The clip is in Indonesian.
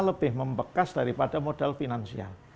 lebih membekas daripada modal finansial